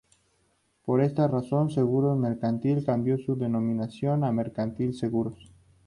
Por esta razón, Seguros Mercantil cambió su denominación a Mercantil Seguros.